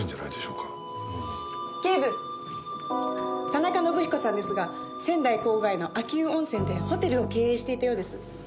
田中伸彦さんですが仙台郊外の秋保温泉でホテルを経営していたようです。